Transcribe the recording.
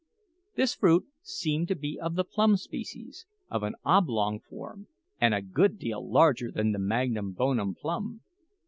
This fruit seemed to be of the plum species, of an oblong form, and a good deal larger than the magnum bonum plum.